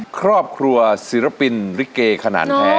ครอบครัวศิลปินลิเกขนาดแท้